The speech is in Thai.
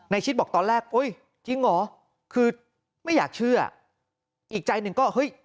ชิดบอกตอนแรกอุ้ยจริงเหรอคือไม่อยากเชื่ออีกใจหนึ่งก็เฮ้ย